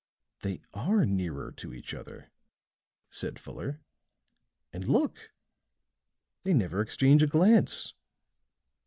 "They are nearer to each other," said Fuller. "And look! they never exchange a glance.